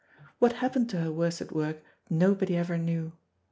What happened to her worsted work nobody ever knew.